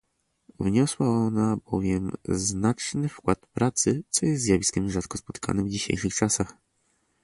Wniosła ona bowiem znaczny wkład pracy, co jest zjawiskiem rzadko spotykanym w dzisiejszych czasach